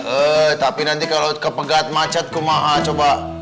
eh tapi nanti kalau kepegat macet kumaah coba